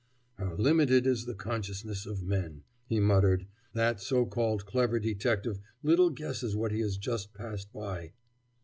"How limited is the consciousness of men!" he muttered. "That so called clever detective little guesses what he has just passed by."